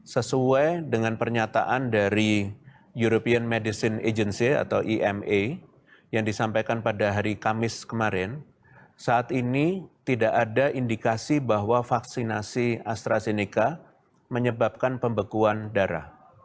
sesuai dengan pernyataan dari european medicine agency atau ima yang disampaikan pada hari kamis kemarin saat ini tidak ada indikasi bahwa vaksinasi astrazeneca menyebabkan pembekuan darah